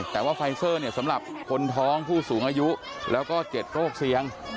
แต่ว่าไฟเซอร์เนี่ยสำหรับคนท้องผู้สูงอายุแล้วก็๗โรคเสี่ยง